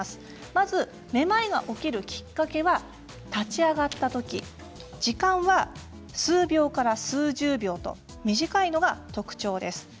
まずめまいが起きるきっかけは立ち上がった時時間は数秒から数十秒と短いのが特徴です。